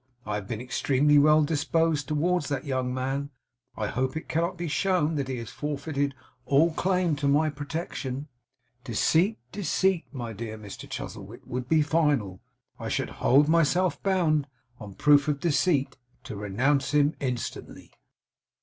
I have been extremely well disposed towards that young man. I hope it cannot be shown that he has forfeited all claim to my protection. Deceit deceit, my dear Mr Chuzzlewit, would be final. I should hold myself bound, on proof of deceit, to renounce him instantly.